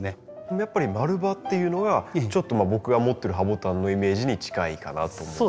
やっぱり丸葉っていうのがちょっと僕が持ってるハボタンのイメージに近いかなと思うんですね。